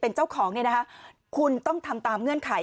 เป็นเจ้าของเนี่ยนะคะคุณต้องทำตามเงื่อนไข